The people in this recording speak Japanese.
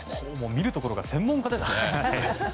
見るところが専門家ですね。